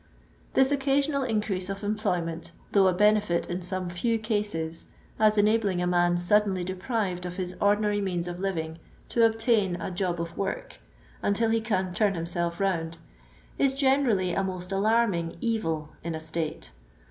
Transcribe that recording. This occasional increase of employment, though a benefit in some few cases (as enabling a man suddenly deprived of his ordinary means of living to obtain " a job of work " until he can " turn himself round"), is generally a most alarming evil in a State.